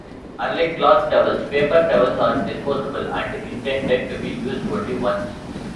Unlike cloth towels, paper towels are disposable and intended to be used only once.